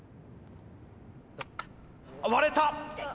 割れた！